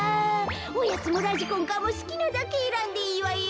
「おやつもラジコンカーもすきなだけえらんでいいわよ」。